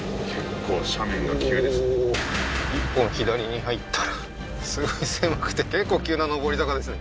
１本左に入ったらすごい狭くて結構急な上り坂ですね